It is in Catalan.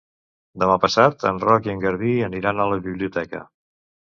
Demà passat en Roc i en Garbí aniran a la biblioteca.